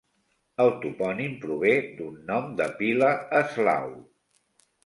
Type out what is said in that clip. El topònim prové d'un nom de pila eslau.